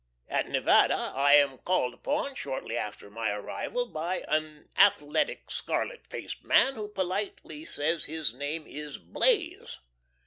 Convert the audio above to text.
At Nevada I am called upon, shortly after my arrival, by an athletic scarlet faced man, who politely says his name is Blaze.